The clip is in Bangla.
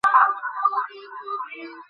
সুরমা কাঁদিয়া কহিল, কেন মা, আমি কী করিয়াছি?